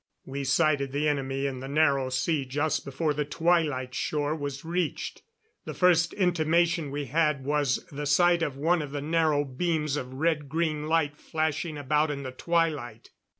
We sighted the enemy in the Narrow Sea just before the Twilight shore was reached. The first intimation we had was the sight of one of the narrow beams of red green light flashing about in the twilight.